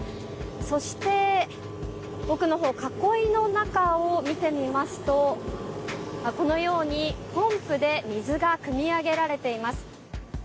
そして奥のほう囲いの中を見てみますとこのようにポンプで水がくみ上げられています。